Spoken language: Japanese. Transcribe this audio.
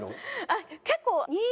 あっ結構。